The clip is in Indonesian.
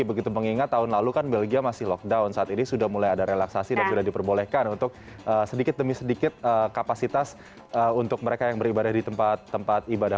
begitu mengingat tahun lalu kan belgia masih lockdown saat ini sudah mulai ada relaksasi dan sudah diperbolehkan untuk sedikit demi sedikit kapasitas untuk mereka yang beribadah di tempat tempat ibadah